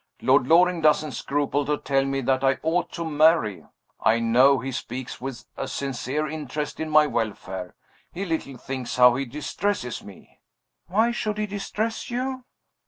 "Lord Loring doesn't scruple to tell me that I ought to marry. I know he speaks with a sincere interest in my welfare. He little thinks how he distresses me." "Why should he distress you?"